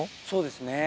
そうですね。